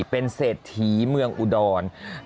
เป็นเศรษฐีเมืองอุดร